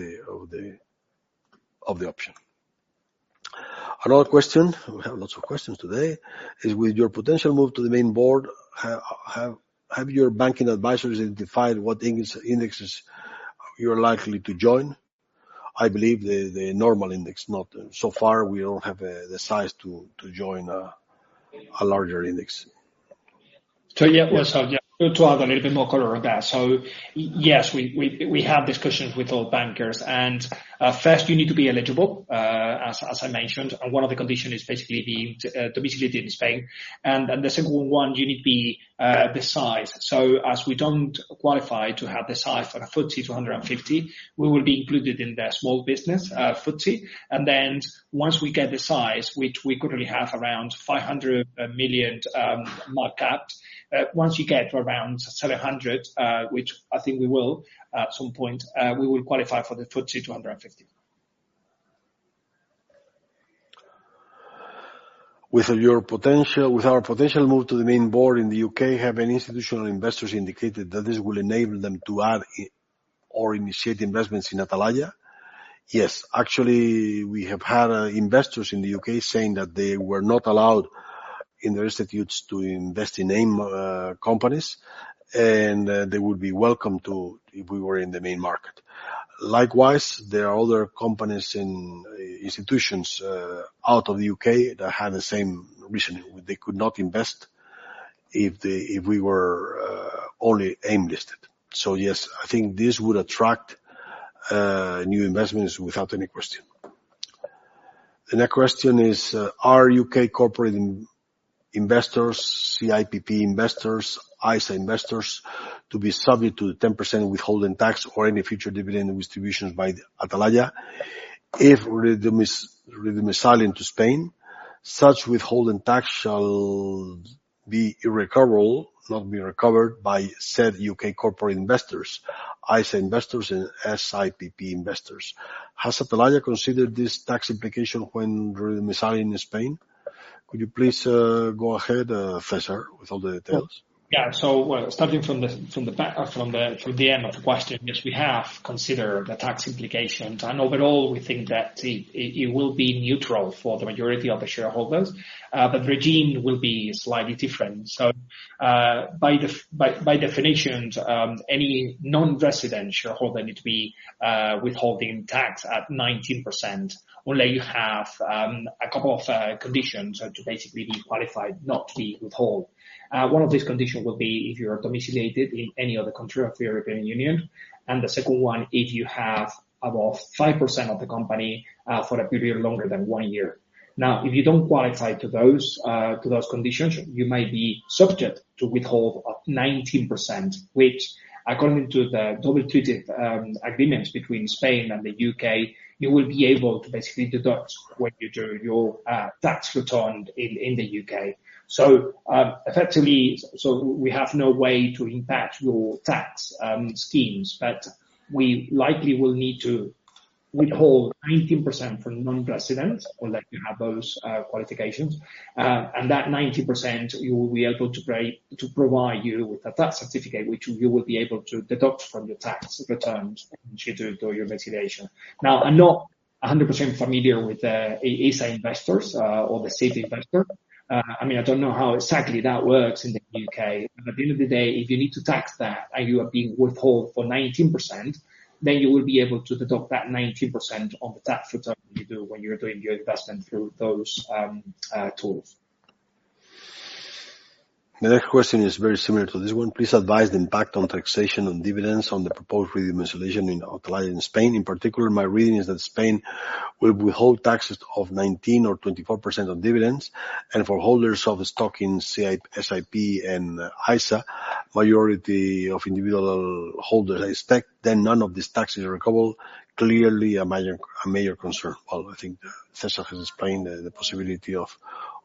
the option. Another question, we have lots of questions today, is: With your potential move to the main board, have your banking advisors identified what index, indexes you're likely to join? I believe the normal index, not... So far, we don't have the size to join a larger index. So, yeah, well, so yeah, to add a little bit more color on that. So yes, we have discussions with our bankers, and first, you need to be eligible, as I mentioned. And one of the condition is basically being domiciled in Spain. And the second one, you need be the size. So as we don't qualify to have the size for a FTSE 250, we will be included in the small business FTSE. And then once we get the size, which we could really have around 500 million market cap, once you get around 700, which I think we will at some point, we will qualify for the FTSE 250. With our potential move to the Main Market in the U.K., have any institutional investors indicated that this will enable them to add or initiate investments in Atalaya? Yes. Actually, we have had investors in the U.K. saying that they were not allowed in their institutions to invest in AIM companies, and they would be welcome to, if we were in the main market. Likewise, there are other companies and institutions out of the U.K. that had the same reasoning. They could not invest if we were only AIM-listed. So yes, I think this would attract new investments without any question. The next question is: Are U.K. corporate investors, SIPP investors, ISA investors, to be subject to the 10% withholding tax on any future dividend distributions by Atalaya? If redomiciled into Spain, such withholding tax shall be irrecoverable, not be recovered, by said UK corporate investors, ISA investors, and SIPP investors. Has Atalaya considered this tax implication when domiciling in Spain? Could you please go ahead, César, with all the details? Yeah. So starting from the back, from the end of the question, yes, we have considered the tax implications, and overall, we think that it will be neutral for the majority of the shareholders, but regime will be slightly different. So, by definition, any non-resident shareholder need to be withholding tax at 19%, unless you have a couple of conditions to basically be qualified not to be withheld. One of these conditions will be if you are domiciled in any other country of the European Union, and the second one, if you have above 5% of the company, for a period longer than one year. Now, if you don't qualify to those, to those conditions, you might be subject to withholding up to 19%, which, according to the double taxation treaty agreements between Spain and the U.K., you will be able to basically deduct when you do your tax return in the U.K. So, effectively, so we have no way to impact your tax schemes, but we likely will need to withhold 19% from non-residents, unless you have those qualifications. And that 19%, we will provide you with a tax certificate, which you will be able to deduct from your tax returns due to your taxation. Now, I'm not 100% familiar with the ISA investors, or the SIPP investor. I mean, I don't know how exactly that works in the UK, but at the end of the day, if you need to tax that and you are being withheld for 19%, then you will be able to deduct that 19% on the tax return you do when you're doing your investment through those tools. The next question is very similar to this one. Please advise the impact on taxation, on dividends, on the proposed revision in Spain. In particular, my reading is that Spain will withhold taxes of 19% or 24% on dividends, and for holders of stock in SIP, SIP, and ISA, majority of individual holders expect that none of these taxes are recoverable. Clearly, a major concern. Well, I think César has explained the possibility of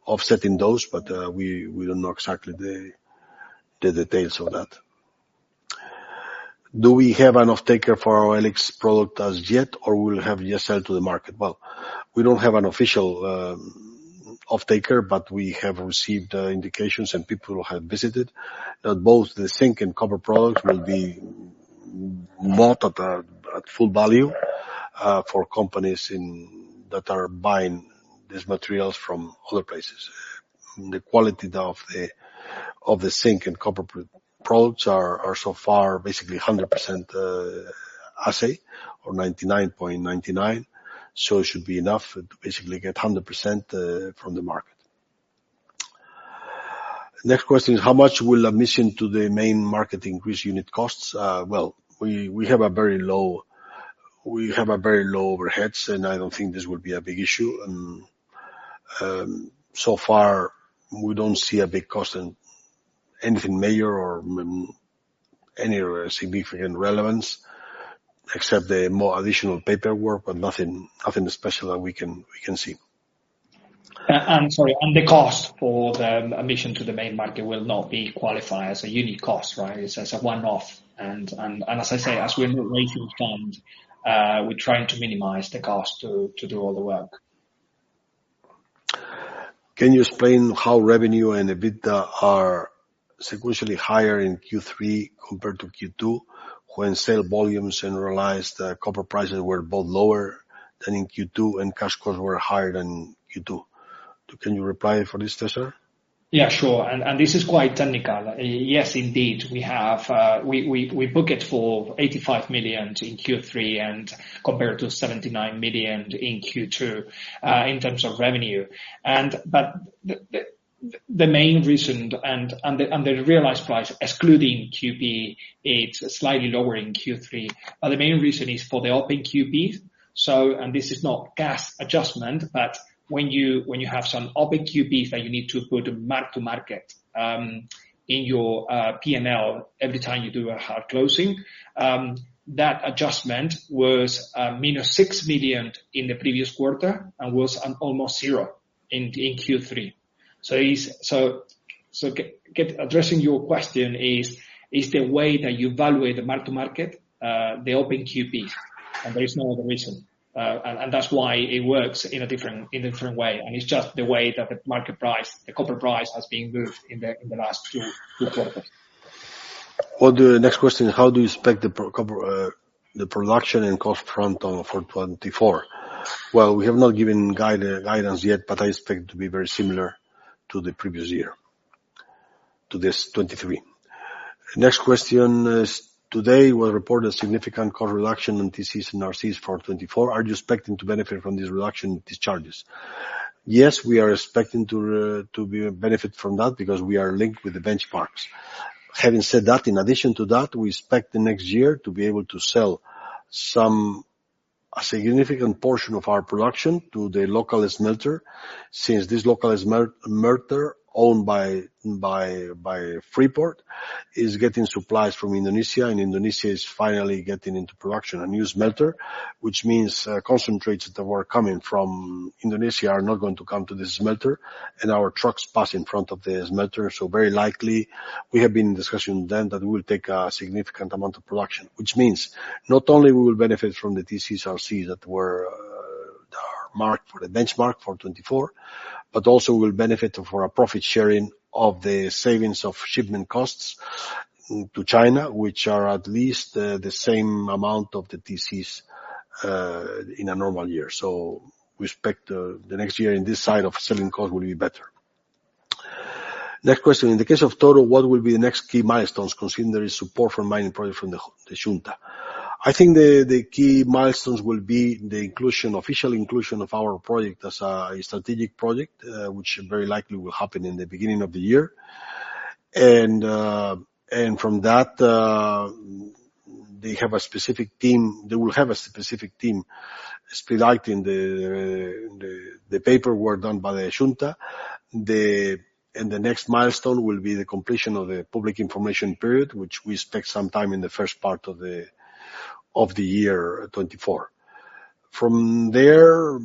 offsetting those, but we don't know exactly the details of that. Do we have an off-taker for our Elix product as yet, or we will have just sell to the market? Well, we don't have an official off-taker, but we have received indications and people who have visited. That both the zinc and copper products will be worth full value for companies that are buying these materials from other places. The quality of the zinc and copper products are so far basically 100% assay or 99.99. So it should be enough to basically get 100% from the market. Next question: How much will admission to the Main Market increase unit costs? Well, we have a very low overheads, and I don't think this would be a big issue. So far, we don't see a big cost in anything major or any significant relevance, except the more additional paperwork, but nothing special that we can see. Sorry, the cost for the admission to the Main Market will not be qualified as a unit cost, right? It's as a one-off, and as I say, as we move through fund, we're trying to minimize the cost to do all the work. Can you explain how revenue and EBITDA are sequentially higher in Q3 compared to Q2, when sale volumes and realized copper prices were both lower than in Q2, and cash costs were higher than Q2? Can you reply for this, César? Yeah, sure. And this is quite technical. Yes, indeed, we have we book it for $85 million in Q3 and compared to $79 million in Q2 in terms of revenue. And but the main reason and the realized price, excluding QP, it's slightly lower in Q3. But the main reason is for the open QPs, so, and this is not gas adjustment, but when you have some open QPs that you need to put mark to market in your P&L, every time you do a hard closing, that adjustment was -6 million in the previous quarter and was almost 0 in Q3. So is... So, addressing your question is the way that you evaluate the market to market, the open QPs, and there is no other reason. And that's why it works in a different way, and it's just the way that the market price, the copper price, has been moved in the last two quarters. Well, the next question: How do you expect the pro copper, the production and cost front on for 2024? Well, we have not given guidance yet, but I expect to be very similar to the previous year, to this 2023. Next question is, today, we reported a significant cost reduction in TCs and RCs for 2024. Are you expecting to benefit from this reduction in charges? Yes, we are expecting to, to benefit from that because we are linked with the benchmarks. Having said that, in addition to that, we expect the next year to be able to sell some, a significant portion of our production to the local smelter, since this local smelter, owned by Freeport, is getting supplies from Indonesia, and Indonesia is finally getting into production, a new smelter. Which means, concentrates that were coming from Indonesia are not going to come to this smelter, and our trucks pass in front of the smelter. So very likely, we have been in discussion then that we will take a significant amount of production. Which means, not only we will benefit from the TCs, RCs that were, are marked for the benchmark for 2024, but also we'll benefit for a profit sharing of the savings of shipment costs to China, which are at least, the same amount of the TCs, in a normal year. So we expect, the next year in this side of selling cost will be better. Next question: In the case of Touro, what will be the next key milestones, considering there is support for mining project from the Xunta? I think the key milestones will be the inclusion, official inclusion of our project as a strategic project, which very likely will happen in the beginning of the year. And from that, they will have a specific team spotlighting the paperwork done by the Xunta. And the next milestone will be the completion of the public information period, which we expect some time in the first part of the year 2024. From there,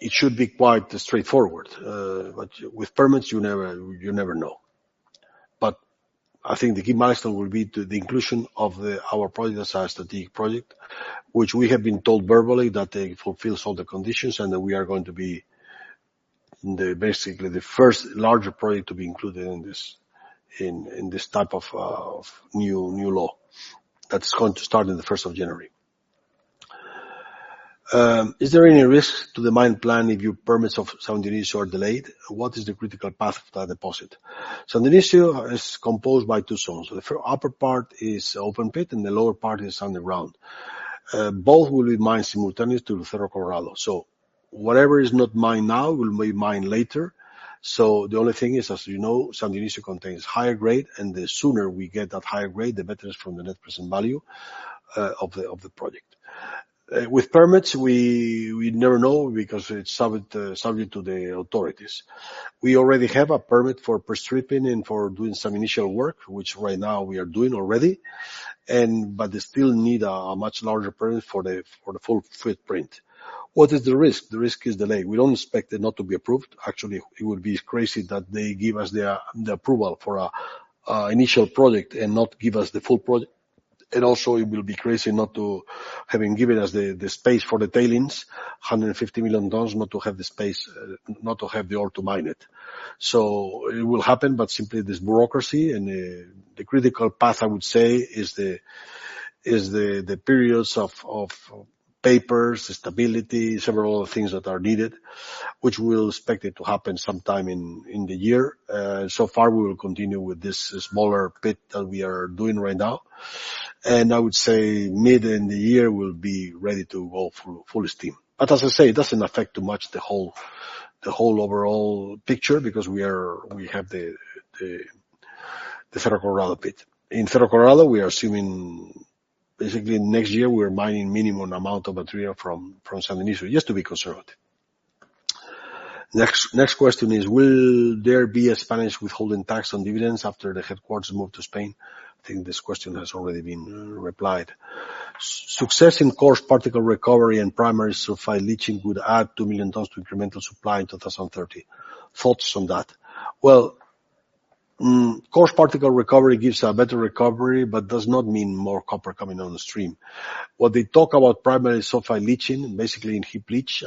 it should be quite straightforward, but with permits, you never know. But I think the key milestone will be the inclusion of our project as a strategic project, which we have been told verbally that it fulfills all the conditions, and that we are going to be... Basically, the first larger project to be included in this type of new law that is going to start in the first of January. Is there any risk to the mine plan if your permits of San Dionisio are delayed? What is the critical path of that deposit? San Dionisio is composed by two zones. The upper part is open pit, and the lower part is underground. Both will be mined simultaneously to Cerro Colorado. So whatever is not mined now, will be mined later. So the only thing is, as you know, San Dionisio contains higher grade, and the sooner we get that higher grade, the better it is from the net present value of the project. With permits, we never know because it's subject to the authorities. We already have a permit for pre-stripping and for doing some initial work, which right now we are doing already, but they still need a much larger permit for the full footprint. What is the risk? The risk is delay. We don't expect it not to be approved. Actually, it would be crazy that they give us the approval for initial project and not give us the full project. And also it will be crazy not to, having given us the space for the tailings, $150 million, not to have the space, not to have the ore to mine it. So it will happen, but simply this bureaucracy and the critical path, I would say, is the periods of papers, stability, several things that are needed, which we'll expect it to happen sometime in the year. So far, we will continue with this smaller pit that we are doing right now. And I would say mid in the year, we'll be ready to go full steam. But as I say, it doesn't affect too much the whole overall picture because we have the Cerro Colorado pit. In Cerro Colorado, we are assuming basically next year, we are mining minimum amount of material from San Dionisio, just to be conservative. Next question is, will there be a Spanish withholding tax on dividends after the headquarters move to Spain? I think this question has already been replied. Success in coarse particle recovery and primary sulfide leaching would add 2 million tons to incremental supply in 2030. Thoughts on that? Well, coarse particle recovery gives a better recovery, but does not mean more copper coming on the stream. What they talk about primary sulfide leaching, basically in heap leach,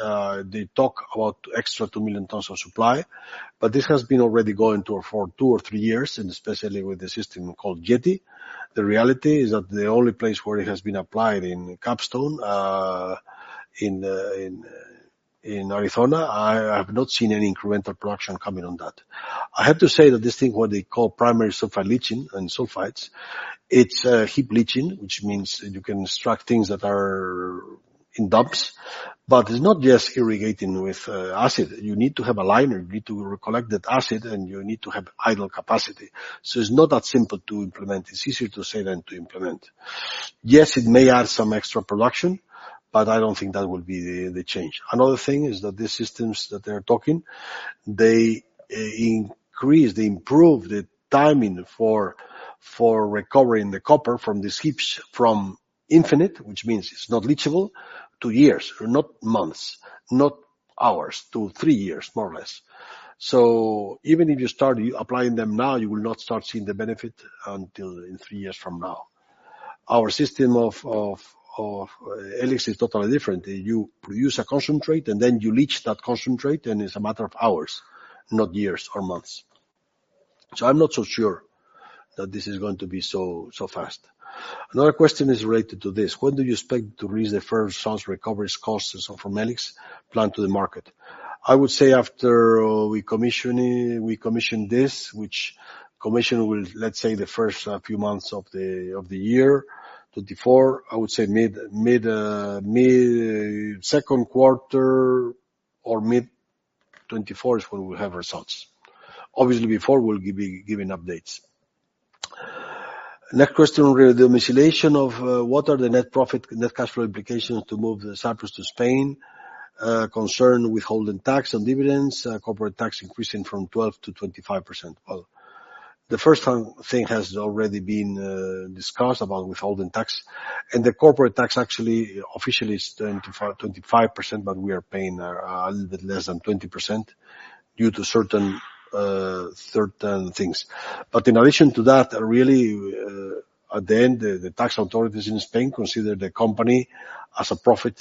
they talk about extra 2 million tons of supply, but this has been already going to for 2 or 3 years, and especially with the system called Jetti. The reality is that the only place where it has been applied in Capstone, in Arizona, I have not seen any incremental production coming on that. I have to say that this thing, what they call Primary Sulfide Leaching and sulfides, it's heap leaching, which means you can extract things that are in dumps, but it's not just irrigating with acid. You need to have a liner, you need to recollect that acid, and you need to have idle capacity. So it's not that simple to implement. It's easier to say than to implement. Yes, it may add some extra production, but I don't think that will be the change. Another thing is that these systems that they're talking, they increase, they improve the timing for recovering the copper from these heaps, from infinite, which means it's not leachable, to years, not months, not hours, to three years, more or less. So even if you start applying them now, you will not start seeing the benefit until in three years from now. Our system of E-LIX is totally different. You produce a concentrate, and then you leach that concentrate, and it's a matter of hours, not years or months. So I'm not so sure that this is going to be so fast. Another question is related to this: When do you expect to reach the first zones recovery's costs and so from E-LIX plant to the market? I would say after we commission it, which will, let's say, the first few months of the year 2024. I would say mid second quarter or mid-2024 is when we have results. Obviously, before we'll be giving updates. Next question, redomiciliation of, what are the net profit, net cash flow implications to move Cyprus to Spain? Concerned withholding tax on dividends, corporate tax increasing from 12%-25%. Well, the first thing, thing has already been discussed about withholding tax, and the corporate tax actually, officially is 25, 25%, but we are paying a little bit less than 20% due to certain, certain things. But in addition to that, really, at the end, the, the tax authorities in Spain consider the company as a profit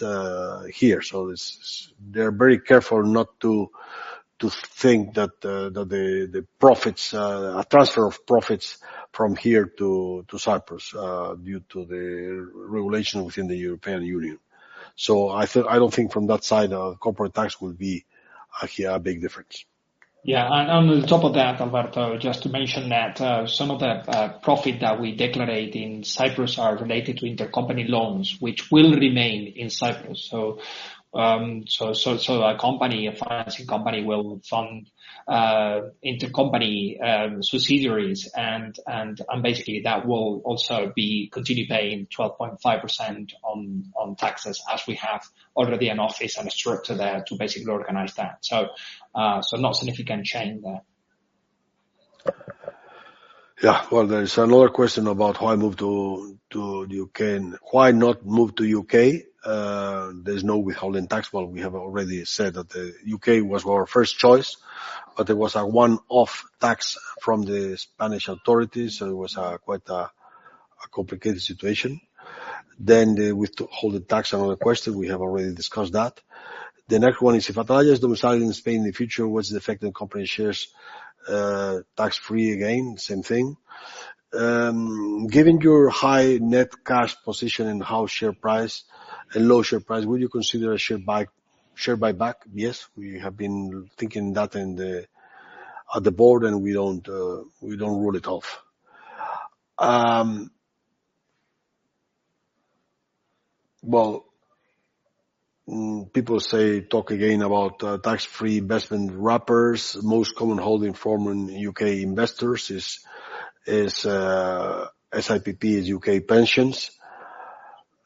here. So it's- they're very careful not to, to think that, that the, the profits, a transfer of profits from here to, to Cyprus, due to the regulation within the European Union. So I don't think from that side, corporate tax will be here a big difference. Yeah, and on the top of that, Alberto, just to mention that, some of the profit that we declare it in Cyprus are related to intercompany loans, which will remain in Cyprus. So, a company, a financing company, will fund intercompany subsidiaries, and basically, that will also be continue paying 12.5% on taxes, as we have already an office and a structure there to basically organize that. So, not significant change there. Yeah. Well, there is another question about why move to UK, and why not move to UK? There's no withholding tax. Well, we have already said that the UK was our first choice, but there was a one-off tax from the Spanish authorities, so it was quite a complicated situation. Then, withholding tax, another question, we have already discussed that. The next one is, if Atalaya is domiciled in Spain in the future, what is the effect on company shares, tax-free? Again, same thing. Given your high net cash position and how share price and low share price, would you consider a share buy, share buyback? Yes, we have been thinking that in the, at the board, and we don't rule it off. Well, people say, talk again about tax-free investment wrappers. Most common holding form in U.K. investors is SIPP, is U.K. pensions.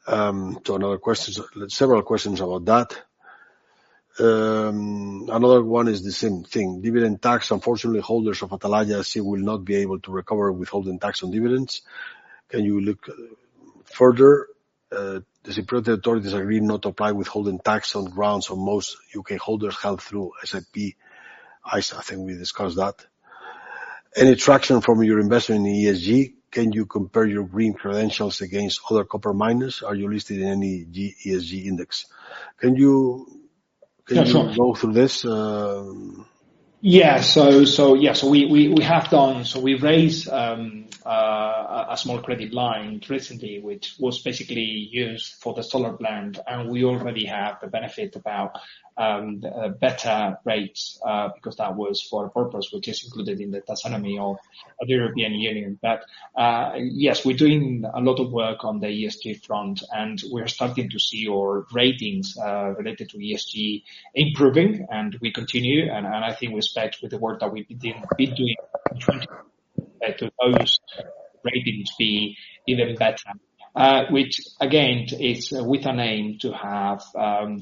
So another question, several questions about that. Another one is the same thing. Dividend tax. Unfortunately, holders of Atalaya will not be able to recover withholding tax on dividends. Can you look further? The regulator disagrees not to apply withholding tax on grounds on most U.K. holders held through SIPP. I think we discussed that. Any traction from your investment in ESG, can you compare your green credentials against other copper miners? Are you listed in any ESG index? Can you- Yeah, sure. Can you go through this? Yeah. So yes, we have done. So we raised a small credit line recently, which was basically used for the solar plant, and we already have the benefit about better rates, because that was for a purpose, which is included in the taxonomy of the European Union. But yes, we're doing a lot of work on the ESG front, and we're starting to see our ratings related to ESG improving, and we continue, and I think we expect with the work that we've been doing to those ratings be even better. Which again is with an aim to have,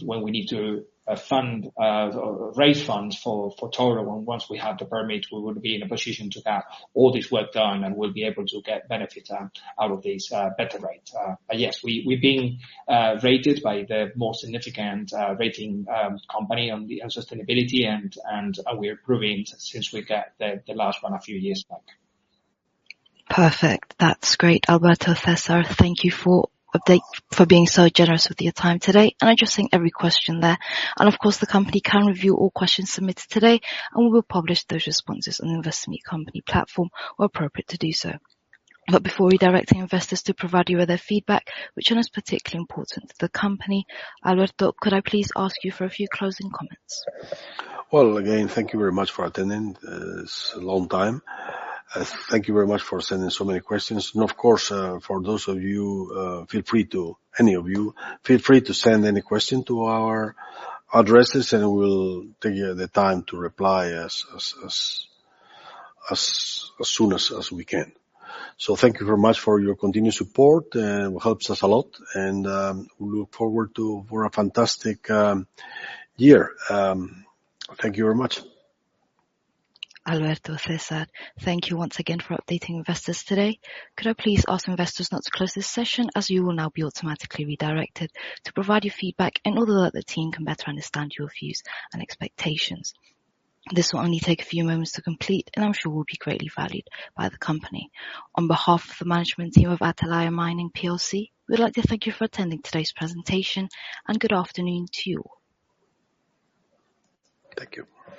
when we need to fund or raise funds for Touro, and once we have the permit, we will be in a position to have all this work done, and we'll be able to get benefit out of this better rate. Yes, we've been rated by the most significant rating company on the sustainability, and we're improving since we got the last one a few years back. Perfect. That's great, Alberto, César, thank you for update, for being so generous with your time today, and addressing every question there. Of course, the company can review all questions submitted today, and we will publish those responses on the Investor Meet Company platform, where appropriate to do so. Before redirecting investors to provide you with their feedback, which one is particularly important to the company, Alberto, could I please ask you for a few closing comments? Well, again, thank you very much for attending, it's a long time. Thank you very much for sending so many questions. And of course, for those of you, feel free to, any of you, feel free to send any question to our addresses, and we'll take the time to reply as soon as we can. So thank you very much for your continued support, it helps us a lot, and we look forward to for a fantastic year. Thank you very much. Alberto, César, thank you once again for updating investors today. Could I please ask investors not to close this session, as you will now be automatically redirected to provide your feedback and although the team can better understand your views and expectations. This will only take a few moments to complete, and I'm sure will be greatly valued by the company. On behalf of the management team of Atalaya Mining PLC, we'd like to thank you for attending today's presentation, and good afternoon to you. Thank you.